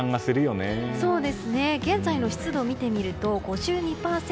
現在の湿度を見てみると５２％。